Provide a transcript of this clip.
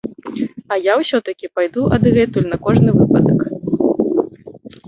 А я ўсё-такі пайду адгэтуль на кожны выпадак.